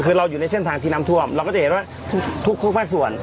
คือเราอยู่ในเส้นทางที่น้ำท่วมเราก็จะเห็นว่าทุกภาคส่วน